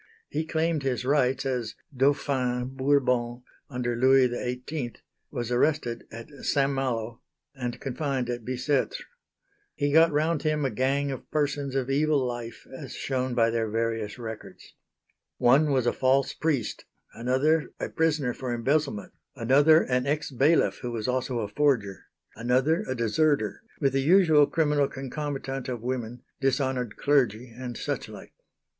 He claimed his rights, as "Dauphin" Bourbon under Louis XVIII, was arrested at St. Malo, and confined at Bicêtre. He got round him a gang of persons of evil life, as shown by their various records. One was a false priest, another a prisoner for embezzlement, another an ex bailiff who was also a forger, another a deserter; with the usual criminal concomitant of women, dishonoured clergy and such like.